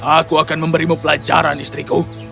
aku akan memberimu pelajaran istriku